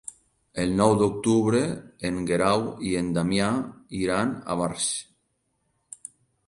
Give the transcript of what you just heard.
El nou d'octubre en Guerau i en Damià iran a Barx.